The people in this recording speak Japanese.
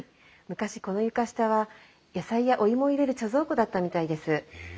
昔この床下は野菜やお芋を入れる貯蔵庫だったみたいです。